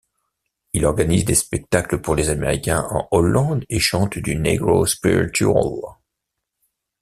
Il organise des spectacles pour les Américains en Hollande et chante du negro spiritual.